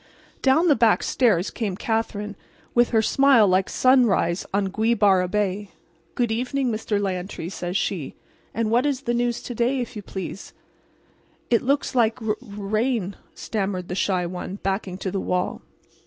Down the back stairs came Katherine with her smile like sunrise on Gweebarra Bay. "Good evening, Mr. Lantry," says she. "And what is the news to day, if you please?" "It looks like r rain," stammered the shy one, backing to the wall.